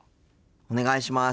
お願いします。